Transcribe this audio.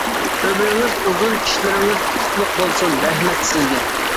ئۆمرىڭىز ئۇزۇن، ئىشلىرىڭىز ئۇتۇقلۇق بولسۇن، رەھمەت سىزگە!